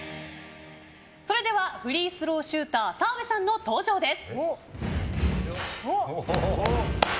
それではフリースローシューター澤部さんの登場です。